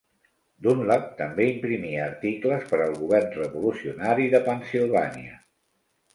Dunlap també imprimia articles per al govern revolucionari de Pennsilvània.